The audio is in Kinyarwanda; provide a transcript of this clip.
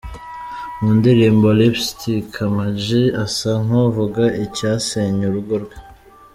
Mu ndirimbo ’Lipstick’ Ama G asa nk’uvuga icyasenye urugo rwe.